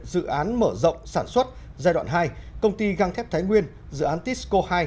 dự án mở rộng sản xuất giai đoạn hai công ty găng thép thái nguyên dự án tisco hai